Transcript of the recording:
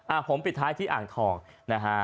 ผมปิดท้ายที่อ่างทองนะฮะ